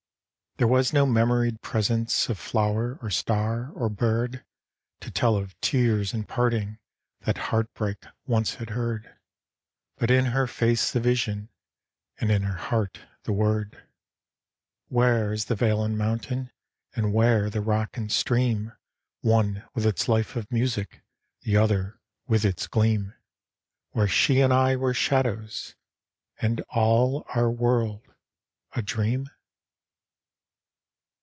There was no memoried presence Of flower or star or bird To tell of tears and parting That heartbreak once had heard But in her face the vision, And in her heart the word. Where is the vale and mountain, And where the rock and stream One with its life of music, The other with its gleam, Where she and I were shadows And all our world, a dream?